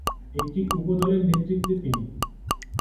একটি উপদলের নেতৃত্বে তিনি।